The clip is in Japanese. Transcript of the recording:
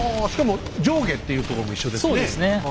しかも上下っていうところも一緒ですね。